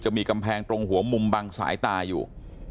มีกำแพงตรงหัวมุมบังสายตาอยู่